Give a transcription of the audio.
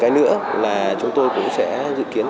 cái nữa là chúng tôi cũng sẽ giúp đỡ các bạn trẻ